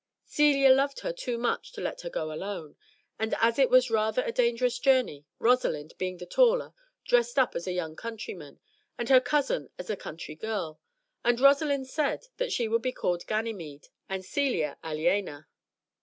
Celia loved her too much to let her go alone, and as it was rather a dangerous journey, Rosalind, being the taller, dressed up as a young countryman, and her cousin as a country girl, and Rosalind said that she would be called Ganymede, and Celia, Aliena.